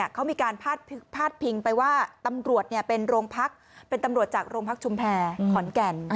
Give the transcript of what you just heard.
เขามีการพาดพิงไปว่าตำรวจเป็นตำรวจจากโรงพักษณ์ชุมแพรขอนแก่น